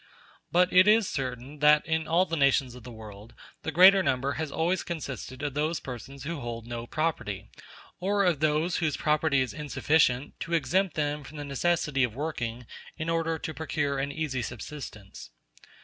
But it is certain that in all the nations of the world the greater number has always consisted of those persons who hold no property, or of those whose property is insufficient to exempt them from the necessity of working in order to procure an easy subsistence.